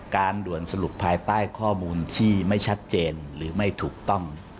ด่วนสรุปภายใต้ข้อมูลที่ไม่ชัดเจนหรือไม่ถูกต้อง